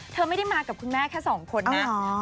เธอไม่ได้มากับคุณแม่แค่สองคนนะ